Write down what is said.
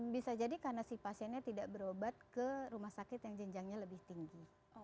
bisa jadi karena si pasiennya tidak berobat ke rumah sakit yang jenjangnya lebih tinggi